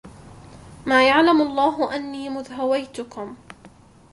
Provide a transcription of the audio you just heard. ما يعلم الله أني مذ هويتكم